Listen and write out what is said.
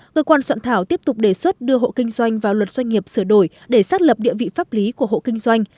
ngợi quan soạn thảo tiếp tục đề xuất đưa hội kinh doanh vào luật doanh nghiệp sửa đổi để xác lập địa vị pháp lý của hội kinh doanh